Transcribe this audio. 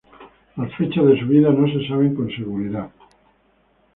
Las fechas de su vida no se saben con seguridad.